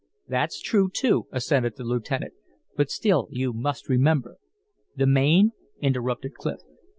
"That's true, too," assented the lieutenant. "But still you must remember " "The Maine!" interrupted Clif.